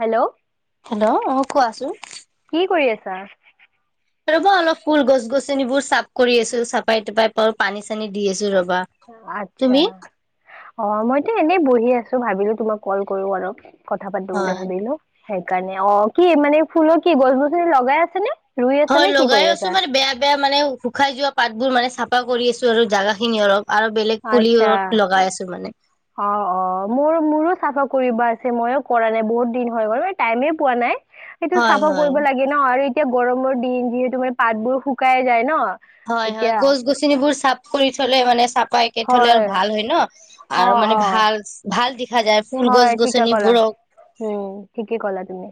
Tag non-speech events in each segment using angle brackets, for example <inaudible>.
Hello hello অ কোৱা চোন কি কৰি আছা ৰবা অলপ ফুল গছ গছনিবোৰ চাফ কৰি আছো চাফাই তাপাই পানী চানী দি আছো ৰবা আচ্ছা তুমি অ মইতো এনেই বহি আছো ভাবিলো তোমাক কল কৰো অলপ কথা পাতো বুলি হয় ভাবিলো সেইকাৰণে অ কি মানে ফুলৰ কি গছ গছনি লগাই আছা নে ৰুই হয় কি লগাই কৰি আছো আছা? মানে বেয়া বেয়া মানে শুকাই যোৱা পাতবোৰ মানে চাফা কৰি আছো আৰু জাগা খিনি অলপ আৰু বেলেগ আচ্ছা পুলিও লগাই আছো মানে অ অ মোৰ মোৰো চাফা কৰিব আছে মইয়ো কৰা নাই বহুত দিন হৈ গ'ল টাইমে পোৱা নাই সেইটো হয় চাফা হয় কৰিব লাগে ন, আৰু এতিয়া গৰমৰ দিন যিহেতু মানে পাতবোৰ শুকাই যায় ন। হয় হয়, এতিয়া গছ-গছনিবোৰ চাফ কৰি থ'লে মানে চাফাইকে থলে হয় ভাল হয় ন। অ আৰু মানে অ ভাল, ভাল দেখা যায়। ফুল গছ হয়, ঠিকে কলা গছনিবোৰক উম ঠিকেই কলা তুমি।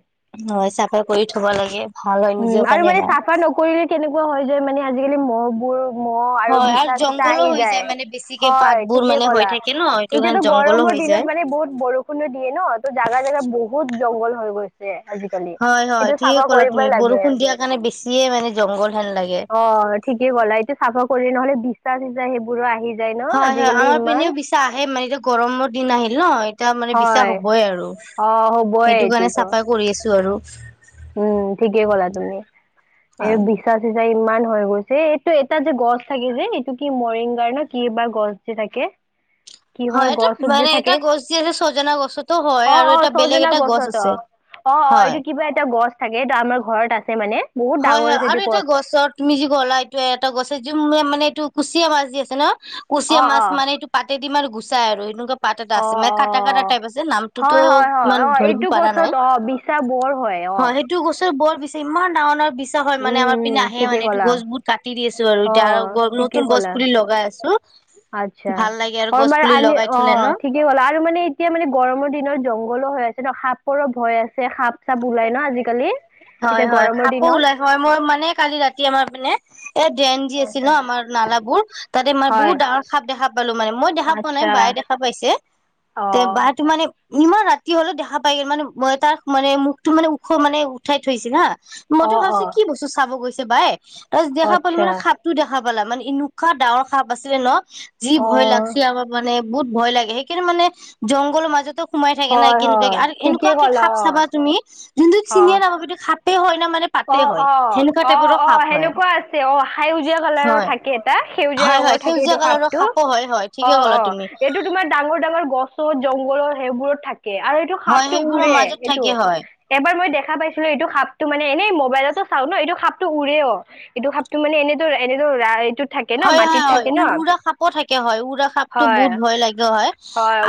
হয়, চাফা কৰি থব লাগে। ভাল হয় উম, নিজৰ আৰু কাৰণে মানে আমাৰ চাফা নকৰিলে কেনেকুৱা হয় যে মানে আজিকালি মহ বোৰ মহ আৰু হয় বিচা-চিচা জংঘলো আহি হৈ যায়, মানে বেছিকে হয় পাতবোৰ ঠিকেই মানে হৈ কলা। থাকে ন সেইটো কাৰণে এতিয়াতো জংঘলো হৈ গৰমৰ দিনত যায়। মানে বহুত বৰষুণো দিয়ে ন, ত' জাগাই জাগাই বহুত জংঘল হৈ গৈছে। আজিকালি সেইটো চাফা কৰিবই লাগে। ষুণ দিয়া কাণে বেছিয়ে মানে জংঘল হেন লাগে। অ' ঠিকেই কলা, এইটো চাফা কৰি নহলে বিচা-চিচা সেইবোৰো আহি যায় ন আজিকালি ইমান। টা আহে মানে, এতিয়া গৰমৰ দিন আহিল ন। টা মানে বিছা হয় হবই আৰু অ হ'বই সেইটো কাৰণে এইটোতো চাফাই কৰি আছো আৰু। উম, ঠিকেই ক'লা তুমি। এই হয়। বি বিচা-চিচা ইমান হৈ গৈছে, এইটো এটা যে গছ থাকে যে এইটো কি মৰিংগাৰ না কি বা গছ যে থাকে। <inaudible> কিহৰ হয় এটা গছত যে মানে থাকে, এটা গছ যি আছে ছজনা গছতো হয় অ' আৰু অ' এটা বেলেগ চজিনা এটা গছ গছত আছে অ'। অ' অ' হয়। এইটো কিবা এটা গছ থাকে, এইটো আমাৰ ঘৰত আছে মানে। বহুত হয় ডাঙৰ হয় আছে আৰু এইটো এটা গছ গছত তুমি যি কলা এইটোৱে এটা গছে যি মানে এইটো কুচিয়া মাছ দি আছে ন কুচিয়া অ মাছ অ মানে এইটো পাতে দিম আৰু গুচাই আৰু এনেকুৱা। পাত এটা অ আছে, মানে অ কাটা কাটা টাইপ আছে। নামটোতো হয় হয় হয় ইমান অ ধৰিব এইটো পৰা গছত নাই, অ বিচা বৰ অ হয়। এইটো গছৰ বৰ বেছি ইমান ডাঙৰ ডাঙৰ বিচা হয় মানে উম আমাৰ উম পিনে আহে ঠিকে মানে এইটো ক'লা গছ বহুত কাটি দি আছো আৰু অ এতিয়া আৰু গ ঠিকে নতুন গছ ক'লা পুলি লগাই আছো। আচ্ছা ভাল লাগে আৰু গছ পুলি লগাই থলে ন <unintelligible> কি হল আৰু মানে এতিয়া মানে গৰমৰ দিনত জংঘলো হৈ আছে ন, সাপৰো ভয় আছে সাপ। চাপ ওলাই ন আজিকালি, হয় এতিয়া হয় গৰমৰ সাপো ওলাই দিনত। হয়, মই মানে কালি ৰাতি আমাৰ এইপিনে এ ড্ৰেন যি আছে ন আচ্ছা, আমাৰ নালাবোৰ তাতে ম‌ই হয় বহুত ডাঙৰ সাপ দেখা পালো, মানে মই দেখা পোৱা নাই আচ্ছা বাইয়ে দেখা পাইছে তে অ বাইয়েটো মানে ইমান ৰাতি হলেও দেখা পাই গ'ল, মানে মই তাৰ মানে মুখটো মানে ওখ মানে উঠাই থৈছিল হা। অ মইতো অ ভাবিছো কি বস্তু চাব গৈছে বাই তাৰপিছত দেখা পালো আচ্ছা মানে সাপ। টো দেখা পালা মানে এনেকুৱা ডাঙৰ সাপ আছিলে ন, যি অ ভয় লাগ <unintelligible> মানে বহুত ভয় লাগে। সেইকাৰণে মানে জংঘলৰ মাজতো সোমাই থাকে নাই হয় কেনেকুৱা হয় আৰু ঠিকেই এনেকুৱাকে ক'লা সাপ চাবা তুমি যোনটো অ চিনিয়ে নাপাবা সেইটো সাপেই হয় নে মানে অ পাতে হয়, অ অ সেনেকুৱা অ টাইপৰো অ সাপ হয়। সেনেকুৱা অ' সেউজীয়া কালাৰৰ হয় থাকে এটা সেউজীয়া হয় হয় ৰঙৰ থাকে সেউজীয়া এইটো কালাৰৰ সাপটো। সাপো হয় হয় ঠিকে অ' ক'লা অ' তুমি এইটো তোমাৰ ডাঙৰ ডাঙৰ গছৰ জংঘলৰ সেইবোৰত থাকে। আৰু এইটো হয় সাপটো সেইবোৰৰ উৰে মাজত এইটো। থাকে হয় এবাৰ মই দেখা পাইছিলো, এইটো সাপটো মানে এনেই মোবাইলতো চাও ন এইটো সাপটো উৰেও। এইটো সাপটো মানে এনেদৰ এনেদৰ এইটো- হয় হয় হয়, উ-উৰা সাপো থাকে হয়, উৰা সাপটো হয় বহুত ভয় লাগে হয়।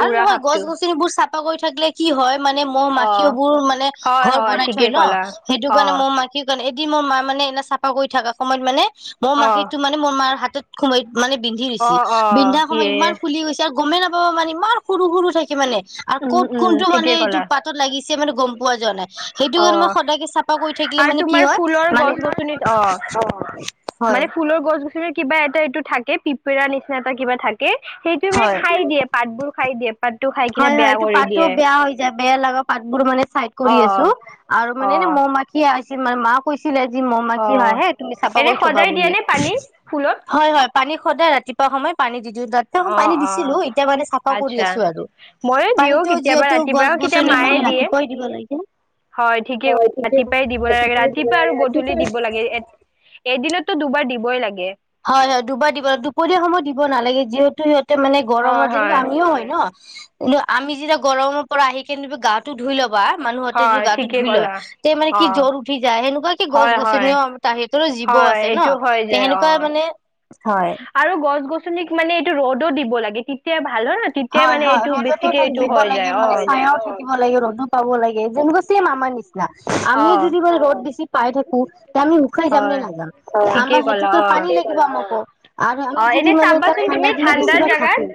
আৰু উৰা নহয়, সাপটো গছ -গছনিবোৰ চাফা কৰি থাকিলে কি হয় মানে অ মৌ-মাখিওবোৰ মানে হয় ঘৰ হয় বনাই থৈ ঠিকেই ন ক'লা সেইটো অ কাৰণে মৌ মা সেই কাৰণে এদিন মোৰ মা মানে এনে চাফা কৰি থাকা সময়ত মানে অ মৌ-মাখিটো মোৰ মাৰ হাতত সোমাই মানে বিন্ধি অ দিছে অ বিন্ধা সময় ইয়ে ইমান ফুলি গৈছে আৰু গমেই নাপাবা মানে ইমান সৰু সৰু থাকে মানে। আৰু উম ক'ত উম কোনটো মানে ঠিকেই এইটো ক'লা পাতত লাগিছে মানে গম পোৱা যোৱা নাই। সেইটো অ যেনেবা সদায় কে চাফা কৰি থাকিলে আৰু মানে কি তোমাৰ হয় ফুলৰ মানে গছ গছনিত অ <unintelligible> অ। মানে ফুলৰ গছ কিবা এটা এইটো থাকে পিপেৰা নিচিনা এটা কিবা থাকে, সেইটো মানে হয় খাই দিয়ে। পাতবোৰ খাই দিয়ে। পাতটো খাই কিনে হয় হয়, বেয়া এইটো কৰি পাতো দিয়ে বেয়া হৈ যায়। বেয়া লগা পাতবোৰ মানে চাইড কৰি অ আছো আৰু অ মানে মৌ মা কিয় আহিছি মানে মাফ কৈছিলে যি অ মৌ-মাখি হয় আহে তুমি চাফা এনে কৰি থবা সদায় দিয়ে বুলি, নে পানী ফুলত হয় হয়। পানী সদায় ৰাতিপুৱা সময় পানী দি দিওঁ তাত অ পানী অ দিছিলো এতিয়া মানে চাফা কৰি আচ্ছা আছো আৰু। ময়ো দিওঁ পানীতো কেতিয়াবা যিহেতু ৰাতিপুৱা কেতিয়াবা গছ-গছনিৰ মায়ে মানে দিয়ে ৰাতিপুৱাই দিব লাগে। হয় ঠিকেই হয় ঠিকেইটো ৰাতিপুৱাই দিব লাগে ৰাতিপুৱাই দিব ৰাতিপুৱা আৰু লাগে, গধূলি ৰাতিপুৱাই আৰু <unintelligible> এদিনতো দুবাৰ দিবই লাগে। হয় হয় দুবাৰ দিব, দুপৰীয়া সময় দিব নালাগে যিহেতু সিহঁতে মানে হয় গৰমত যেনকা হয় আমিও হয় ন। কিন্তু আমি যেতিয়া গৰমৰ পৰা আহি কেনে গাটো ধুই লবা মানুহতে যিটো হয় গাটো ঠিকেই ধুই লয়। ক'লা তে মানে অ কি জ্বৰ উঠি যায় সেনেকুৱা কি গছ হয় হয় গছনিও তাহতৰ জীৱ হয় আছে ন এইটো হয় তে যায় সেনুক কয় অ মানে হয় আৰু গছ-গছনিক মানে এইটো ৰ'দো দিব লাগে তেতিয়া ভাল হয় <unintelligible> হয় হয় এইটো ৰ'দতো বেছিকে এইটো থাকিব হৈ লাগে যায় অ মানে চায়ায়ত টিব লাগে ৰ'দো পাব লাগে যেনেকা চেম আমাৰ নিচ না অ আমিও যদি বা ৰ'দ বেছি পাই থাকো তে আমি শুকাই যাম হয় নে নাযাম ঠিকেই আমাৰ ক'লা সেইটোকে অ পানী <unintelligible> আমাকো আৰ অ আমি এনে যদি মানে এতিয়া চাবাচোন তুমি ঠাণ্ডা দিলে ঠাণ্ডাৰ বেছিভাগ জাগাত খাকো।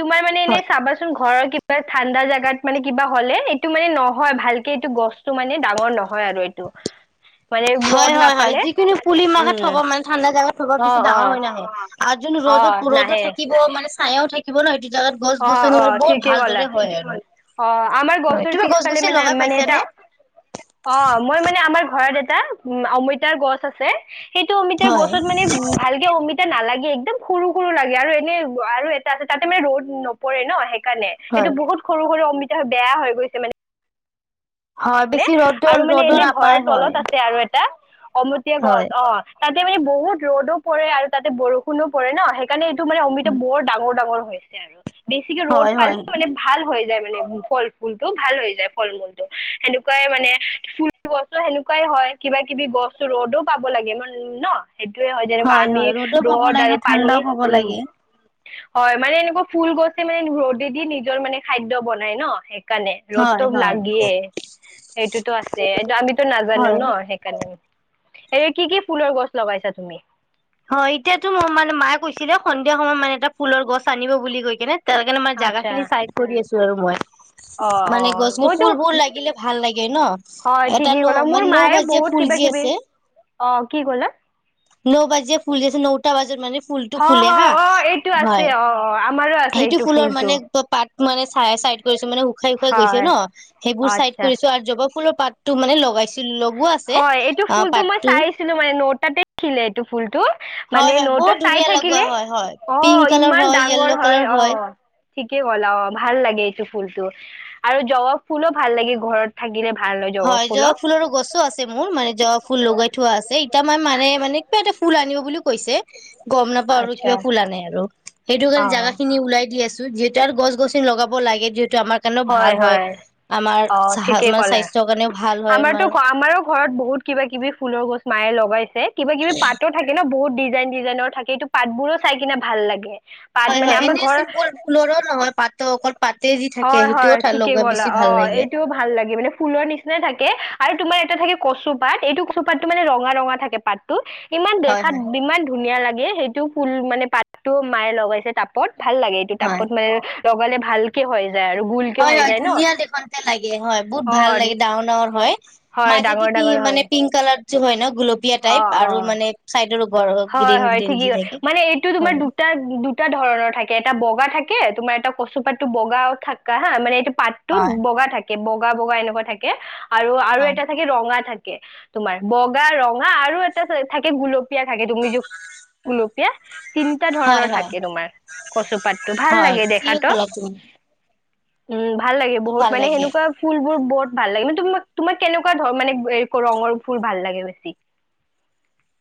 তোমাৰ মানে এনেই চাবাচোন ঘৰৰ কিবাত ঠাণ্ডা জোগাত মানে কিবা হ'লে এইটো মানে নহয় ভালকে এইটো গছটো মানে ডাঙৰ নহয় আৰু এইটো। <inaudible> হয় ৰ'দ হয় হয় নাপালে যিকোনো পুলি মাগাত থব উম মানে ঠাণ্ডা জাগাত থব অ পিছ অ ডাঙৰ হৈ নাহে। আৰু যোন অ ৰ'দত ৰ'দত নাহে থাকিব মানে ছায়েও থাকিব ন সেইটো জাগাত অ গছ-গছনি অ আৰু বহুত ঠিকেই ক'লা ভালদৰে হয় হয় আৰু। অ আমাৰ হয় গছৰ তুমি গছ পিছফালে গছি মানে লগাই মানে এটা পাইছানে অ মই মানে আমাৰ ঘৰত এটা উ অমিতাৰ গছ আছে সেইটো অমিতাৰ হয় গছত মানে ভালকে অমিত তা নালাগে একদম সৰু সৰু লাগে আৰু এনে আৰু এটা আছে তাতে মানে ৰ'দ নপৰে ন সেইকাৰণে হয় এটো বহুত সৰু সৰু অমিতা বেয়া হৈ গৈছে মানে। হয় বেছি ৰ'দ আৰু মানে ৰ'দো নাপায় হয়। আৰু এটা অমোতীয়া হয় গছ অ তাতে মানে বহুত ৰ'দো পৰে আৰু তাতে বৰষুণো পৰে ন সেইকাৰণে মানে অমিতা বৰ ডাঙৰ ডাঙৰ হৈছে আৰু বেছিকে ৰ'দ হয় পালে হয় মানে ভাল হৈ যায় মানে ফল-ফুলটো ভাল হৈ যায় ফল-মূলটো সেনুক কুৱাই মানে ফুল গছো সেনেকুৱাই হয় কিবা-কিবি গছ ৰ'দো পাব লাগে মান ন। সেইটোয়ে হয় যেনেকুৱা আমি হয় ৰ'দো পাব ৰ'দ লাগে আৰু পানী, ঠাণ্ডাও পাব উম। লাগে হয় মানে এনেকুৱা ফুল গছে মানে ৰ'দে দি নিজৰ মানে খাদ্য বনাই ন সে কাণে হয় ৰ'দতটো হয় লাগিয়ে সেইটোতো আছে এইটো আমিতো নাজানো হয়। ন সে কাণে, এ কি কি ফুলৰ গছ লগাইছা তুমি? হয় এতিয়াতো মোৰ মানে মায়ে কৈছিলে সন্ধিয়া সময়ত মানে এটা ফুলৰ গছ আনিব বুলি কৈ কিনে তালকাণে মই আচ্ছা জাগাখিনি চাইড কৰি আছো আৰু মই অ অ মানে গছ গ মইতো ফুলবোৰ লাগিলে ভাল লাগে ন? হয় ঠিকেই ক'লা মোৰ মায়ে বহুত কিবা <unintelligible> কিবি আছে। অ কি ক'লা ন বাজিয় ফুল আছে নটা বাজাত মানে ফুলটো হয় ফুলে হয় হা, অ এইটো আছে হয় অ অ আমাৰো আছে সেইটো এইটো ফুলৰ ফুলটো মানে পাত মানে চাই-চাইড কৰিছো মানে শুকাই-শুকাই গৈছে হয় ন সেইবোৰ চাইড আচ্ছা কৰিছো আৰু জবা ফুলৰ পাত তোৰ মানে লগাইছিল লগো আছে হয়, এইটো অ ফুলটো মই পাতটো চাইছিলো মানে নটাতে উঠিলে এইটো ফুলটো মানে হয় হয় নৌত বহুত চাই ধুনীয়া লগোৱা থাকিলে হয় হয় অ', পিংক কালাৰ ইমান হয় ডাঙৰ য়েল্ল' হয় কালাৰ অ'। ঠিকে ক'লা অ', ভাল লাগে এইটো ফুলটো, আৰু জবা ফুলো ভাল লাগে ঘৰত থাকিলে ভাল হয় জবা ফুলো। ফুলৰো গছো আছে মোৰ মানে জবা ফুল লগাই থোৱা আছে। এতিয়া মই মানে মানে কিবা এটা ফুল আনিব বুলি কৈছে। গম নাপাও আৰু আচ্ছা কিবা ফুল আনে আৰু সেইটো অ কাৰে জাগা খিনি ওলাই দি আছো। যিহেতু আৰু গছ গছনি লগাব লাগে যিহেতু আমাৰ কাৰণেও ভাল হয় আমাৰ অ চাহ ঠিকেই মানে ক'লা স্বাস্থ আমাৰতো আমাৰো ঘৰত বহুত কিবা কিবি ফুলৰ গছ মায়ে লগাইছে। কিবা কিবি পাতো থাকে ন, বহুত ডিজাইন ডিজাইনৰ থাকে এইটো পাতবোৰো চাই কিনে ভাল লাগে। পাত হয় মানে হয়, আমাৰ এনে ঘৰ চিম্পুল ফুলৰো নহয় পাতো অকল পাতে যি থাকে হয় হয় সেইটোও তাত ঠিকেই লগাই ক'লা বেছি অ ভাল লাগে। এইটোও ভাল লাগে মানে ফুলৰ নিচিনাই থাকে আৰু তোমাৰ এটা থাকে কচুপাত এইটো কচুপাতটো মানে ৰঙা ৰঙা থাকে পাত <unintelligible> ইমান হয় দেখাত হয় ইমান ধুনীয়া লাগে সেইটো ফুল মানে পাতো মায়ে লগাইছে তাপত ভাল লাগে এইটো হয় তাপত মানে লগালে ভালকে হৈ যায় আৰু। গোলকে হয় হৈ হয়, যায় ন ধুনীয়া দেখোনতে লাগে হয় বহুত অ ভাল লাগে ডাঙৰ ডাঙৰ হয়। হয় মাজেদি ডাঙৰ পি ডাঙৰ হয় মানে পিংক কালাৰ য হয় ন গুলপীয়া অ টাইপ আৰু অ মানে চাইডৰ ওপৰ গ্ৰীণ গ্ৰীণ যি থাকে হয়। দুটা-দুটা ধৰণৰ থাকে এটা বগা থাকে, তোমাৰ এটা কচুপাতটো বগাও থাককা হা মানে এইটো পাত হয় <unintelligible> বগা থাকে বগা বগা এনেকুৱা থাকে আৰু হয় এটা থাকে ৰঙা থাকে, তোমাৰ বগা ৰঙা আৰু এটা থাকে গুলপীয়া থাকে তুমি য গুলপীয়া তিনিটা হয় ধৰণৰ হয় থাকে তোমাৰ কচুপাতটো ভাল হয় লাগে ঠিক দেখাতো। ক'লা তুমি উম, ভাল লাগে বহুত ভাল মানে লাগে। সেনেকুৱা ফুলবোৰ বহুত ভাল লাগে মানে তাক তোমাক কেনেকুৱা ধৰ মানে ৰঙৰ ফুল ভাল লাগে বেছি?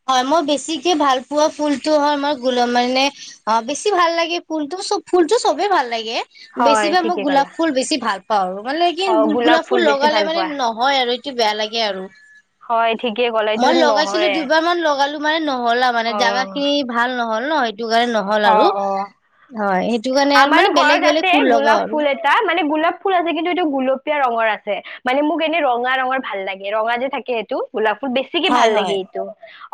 হয় মই বেছিকে ভাল পোৱা ফুলটো হয় আমাৰ গুল মানে অ', বেছি ভাল লাগে ফুলতো, ফুলটো সবে ভাল লাগে বেছি হয় বা মই ঠিকে গোলাপ ক'লা ফুল বেছি ভাল পাও আৰু মানে কি অ গোলাপ ফুল বেছি লগালে ভাল মানে পোৱা নহয় আৰু কি বেয়া লাগে আৰু। হয় ঠিকে গ'লে মই এইতোটো লগাইছিলো নহয়ে। দুবাৰ মান লগালো মানে নহলা মানে জাগা অ', খিনি ভাল নহ'ল ন সেইটো কাৰণে নহ নহ'ল আৰু অ', অ', হয় সেইটো কাৰণে আৰু আমাৰো মানে ঘৰত বেলেগ আছে বেলেগ ফুল গোলাপ লগাও আৰু। ফুল এটা মানে গোলাপ ফুল আছে কিন্তু এইটো গোলপীয়া ৰঙৰ আছে, মানে মোক এনে ৰঙা ৰঙৰ ভাল লাগে ৰঙা যে থাকে সেইটো গোলাপ ফুল বেছিকে হয় ভাল হয় লাগে এইটো,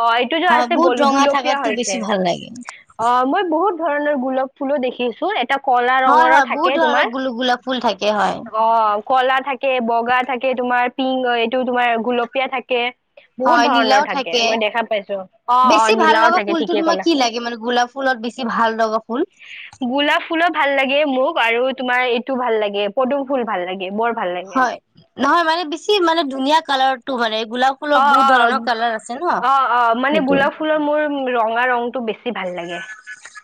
অ', এইটো য হয় আছে বহুত গোল ৰঙা গোলপীয়া থাকাতো হৈছে। <unintelligible> অ', মই বহুত ধৰণৰ গোলাপ ফুলো দেখিছো এটা কলা হয় ৰঙৰো হয়, থাকে বহুত তোমাৰ ধৰণৰ গ-গোলাপ ফুল থাকে হয়। অ কলা থাকে, বগা থাকে তোমাৰ পিংক এইটো তোমাৰ গুলপীয়া থাকে। বহুত হয় নীলাও ধৰণৰ থাকে মই দেখা পাইছো, অ অ বেছি ভাল নীলাও লগা থাকে ফুলটো ঠিকে তোমাৰ কলা। কি লাগে মানে গোলাপ ফুলত বেছি ভাল ৰ'ব ফুল। গোলাপ ফুলো ভাল লাগে মোক আৰু তোমাৰ এইটো ভাল লাগে পদুম ফুল ভাল লাগে বৰ। ভাল লাগে হয় নহয় মানে বেছি মানে ধুনীয়া কালাৰটো মানে গোলাপ ফুলৰ অ বহুত অ, ধৰণৰ কালাৰ আছে ন অ অ মানে সেইটো গোলফ ফুলৰ মোৰ ৰঙা ৰংটো বেছি ভাল লাগে।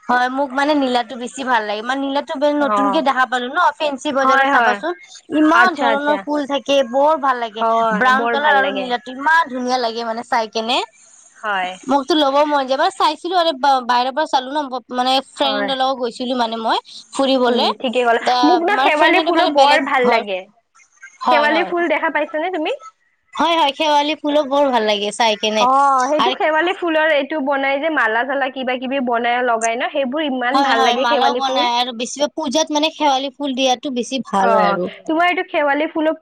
হয় মোক মানে নীলাটো বেছি ভাল লাগে মানে নীলাটো বে অ নতুনকে দেখা পালো ন ফেঞ্চি বজাৰত হয় হয় চাবাচোন? ইমান আচ্ছা আচ্ছা ধৰণৰ ফুল থাক কে বৰ ভাল লাগে, হয় ব্ৰাউন বৰ ভাল কালাৰ আৰু লাগে নীলাটো ইমান ধুনীয়া লাগে মানে চাই কেনে। হয় মোকতো ল'ব মন যায় বা চাইছিলো আৰু বা বাহিৰৰ পৰা চালো ন ব মানে হয় ফ্ৰেণ্ডৰ লগত গৈছিলো মানে মই। উম ফুৰিবলে ঠিকেই ক'লা, মোক ন মানে শেৱালি ফ্ৰেণ্ডহঁতে ফুলো মানে বেলেগ বৰ ভাল ঘৰ লাগে। হয় শেৱালি হয় ফুল দেখা পাইছা নে তুমি? হয় হয়, শেৱালি ফুলক বৰ ভাল লাগিছ অ সেইটো শেৱালি ফুলৰ এইটো বনাই যে মালা - চালা কিবা কিবি বনাই লগাই ন সেইবোৰ ইমান হয় ভাল হয় লাগে মালাও শেৱালি ফুল বনাই আৰু বেছি পূজাত মানে শেৱালি ফুল দিয়াটো বেছি অ ভাল হয় আৰু। তোমাৰ এইটো শেৱালি ফুলত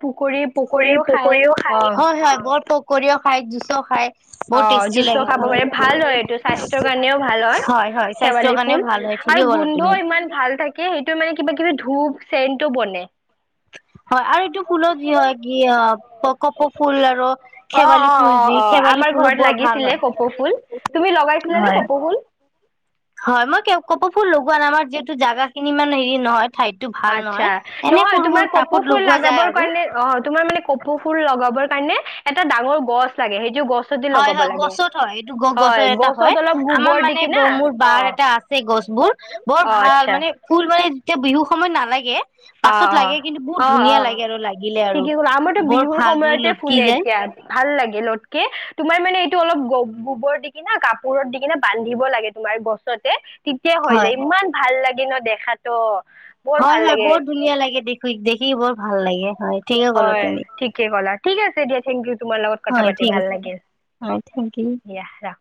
পকৰী পকৰীও খায়, হয় হয় বৰ পকৰীও খায়, জুচও খায়। অ বহুত টেষ্টি জুচো লাগে খাব পাৰে শেৱালি ভাল হয় এইটো ফুলৰ স্বাস্থ্যৰ কাৰণেও ভাল হয় স্বাস্থ্যৰ শেৱালি কাৰণে ফুল। ভাল হয় আৰু ঠিকেই ক'লা গোন্ধও তুমি ইমান ভাল থাকে সেইটো মানে কিবা কিবি ধূপ, চেনটো বনে। হয় আৰু এইটো ফুলৰ যি হয় কি অ প কপৌ ফুল আৰু অ শেৱালি অ ফুল অ যি অ শেৱালি আমাৰ ফুলো ঘৰত বৰ ভাল লাগিছিলে হয় কপৌ ফুল, তুমি লগাইছিলা নে হয় কপৌ ফুল? হয় মই কে কপৌ ফুল লগোৱা নাই আমাৰ যিহেতু জাগাখিনি ইমান হেৰি নহয়। ঠাইটো ভাল আচ্ছা নহয় এনে নহয় সৰু তোমাৰ মৰু কপৌ টাপত ফুল লগোৱা লগাবৰ যায় আৰু। কাৰণে অ তোমাৰ মানে কপৌ ফুল লগাবৰ কাৰণে এটা ডাঙৰ গছ লাগে সেইটো গছ হয় হয় গছত হয় এইটো গ গছত এটা হয়, অলপ আমাৰ গোবৰ দি মানে ব কিনা মোৰ অ বাৰ এটা আছ ছে গছবোৰ, বৰ অ ভাল আচ্ছা মানে ফুল মানে যেতিয়া বিহু সময়ত নালাগে অ পাছত লাগে কিন্তু বহুত অ অ অ ধুনীয়া লাগে আৰু লাগিলে আৰু ঠিকেই ক'লা আমাৰতো বৰ বিহুৰ ভালদৰে সময়তে লটকি ফুলে যায়। এতিয়া ভাল লাগে লটকে, তোমাৰ মানে এইটো অলপ গ গোবৰ দি কিনা কাপোৰত দি কিনে বান্ধিব লাগে তোমাৰ গছ চতে তেতিয়া হৈ যায় হয় ইমান ভাল লাগে ন দেখাটো। হয় হয় বৰ ধুনীয়া লাগে দেখি দেখি বৰ ভাল লাগে হয়। ঠিকে ক'লা হয় তুমি ঠিকে ক'লা, ঠিক আছে দিয়া থেংক ইউ। তোমাৰ লগত কথা হয় পাতি ঠিক ভাল আছে লাগিল হয় থেংক ইউ দিয়া ৰাখ